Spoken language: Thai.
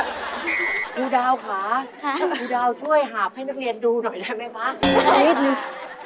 ครูดาวค่ะให้ครูดาวช่วยหาบให้นักเรียนดูหน่อยได้ไหมคะนิดนึง